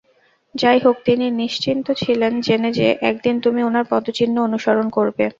যাইহোক তিনি নিশ্চিন্ত ছিলেন জেনে যে, একদিন তুমি উনার পদচিহ্ন অনুসরণ করবে।